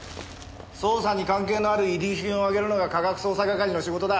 捜査に関係のある遺留品をあげるのが科学捜査係の仕事だ。